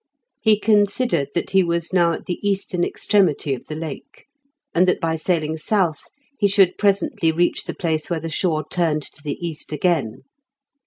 He considered that he was now at the eastern extremity of the Lake, and that by sailing south he should presently reach the place where the shore turned to the east again.